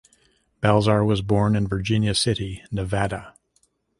Balzar was born in Virginia City, Nevada.